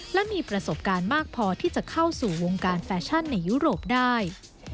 และมีประสบการณ์มากพอที่จะเข้าสู่วงการแฟชั่นในยุโรปได้